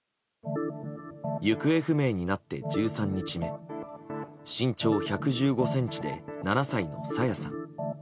行方不明になって１３日目身長１１５ｃｍで７歳の朝芽さん。